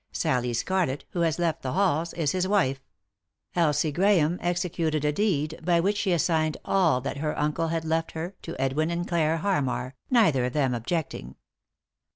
Sallie Scarlett, who has left the halls, is his wife. Elsie Grahame executed a deed by which she assigned all that her uncle had left her to Edwin and Clare Harmar, neither of them objecting.